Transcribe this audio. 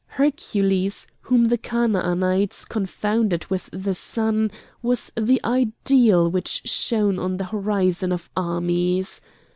Hercules, whom the Chanaanites confounded with the sun, was the ideal which shone on the horizon of armies.